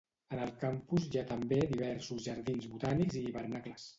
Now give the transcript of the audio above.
En el campus hi ha també diversos jardins botànics i hivernacles.